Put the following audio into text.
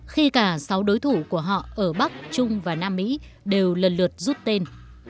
khi cả sáu đối thủ của họ ở bắc trung và nam mỹ đều lần lượt rút tên